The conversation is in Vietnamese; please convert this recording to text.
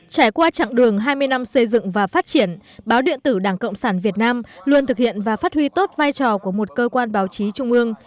trải qua chặng đường hai mươi năm xây dựng và phát triển báo điện tử đảng cộng sản việt nam luôn thực hiện và phát huy tốt vai trò của một cơ quan báo chí trung ương